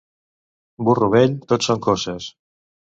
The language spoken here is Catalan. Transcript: Burro vell, tot són coces.